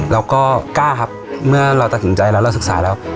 เราก็กล้าครับเมื่อเราตัดสินใจแล้วเราศึกษาแล้ว